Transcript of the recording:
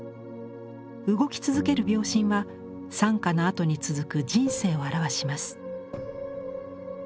動き続ける秒針は惨禍のあとに続く人生を表します。